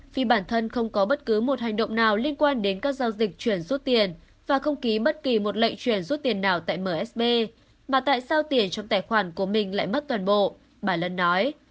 vì bản thân không có bất cứ một hành động nào liên quan đến các giao dịch chuyển rút tiền và không ký bất kỳ một lệnh chuyển rút tiền nào tại msb mà tại sao tiền trong tài khoản của mình lại mất toàn bộ bà lân nói